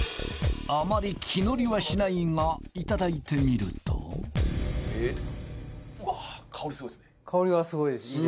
あまり気乗りはしないがいただいてみるとうわー香りすごいですね